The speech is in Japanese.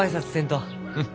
うん。